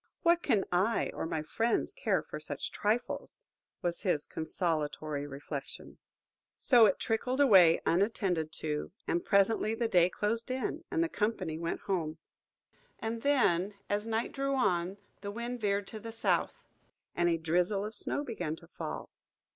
"What can I or my friends care for such trifles?" was his consolatory reflection. So it trickled away unattended to, and presently the day closed in, and the company went away home. And then, as night drew on, the wind veered to the south, and a drizzle of snow began to fall.